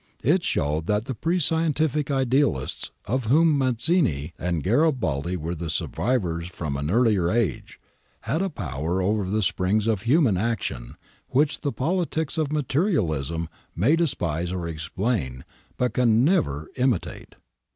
It showed that the pre scientific idealists, of whom Mazzini and Garibaldi were the sur vivors from an earlier age, had a power over the springs of human action which the poUtics of materialism may despise or explain, but can never imitate.